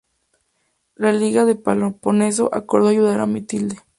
La Liga del Peloponeso acordó ayudar a Mitilene.